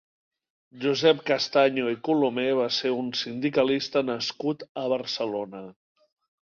Josep Castaño i Colomer va ser un sindicalista nascut a Barcelona.